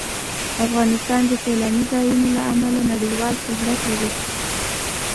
افغانستان د سیلاني ځایونو له امله نړیوال شهرت لري.